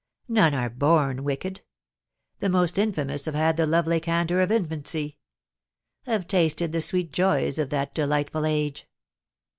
None are born wicked; the most infamous have had the lovely candour of infancy, have tasted the sweet joys of that delightful age.